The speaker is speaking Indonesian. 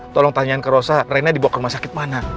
tolong tanyaan ke rosa rena dibawa ke rumah sakit mana